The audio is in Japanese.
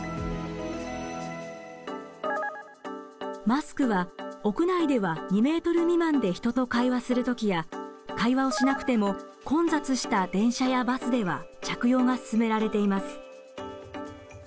マスクは屋内では２ｍ未満で人と会話する時や会話をしなくても混雑した電車やバスでは着用が勧められています。